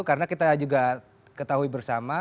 karena kita juga ketahui bersama